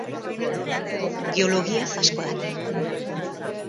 Biologiaz asko daki.